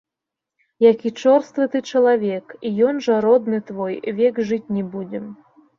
Які чорствы ты чалавек, і ён жа родны твой, век жыць не будзем.